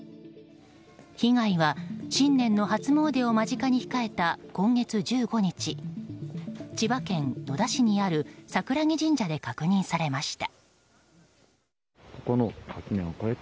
被害は新年の初詣を間近に控えた今月１５日、千葉県野田市にある櫻木神社で確認されました。